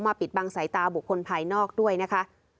ปิดบังสายตาบุคคลภายนอกด้วยนะคะ